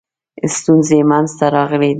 ستونزې منځته راغلي دي.